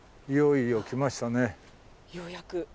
ようやく。